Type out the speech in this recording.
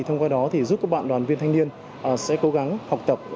thông qua đó thì giúp các bạn đoàn viên thanh niên sẽ cố gắng học tập